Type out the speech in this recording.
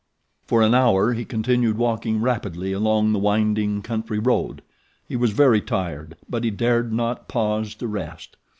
For an hour he continued walking rapidly along the winding country road. He was very tired; but he dared not pause to rest.